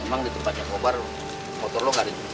emang di tempatnya cobar motor lo gak ada juga